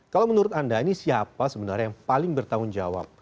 kalau menurut anda ini siapa sebenarnya yang paling bertanggung jawab